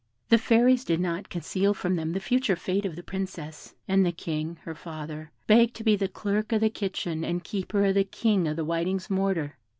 The Fairies did not conceal from them the future fate of the Princess; and the King, her father, begged to be the clerk of the kitchen and keeper of the King of the Whiting's mortar.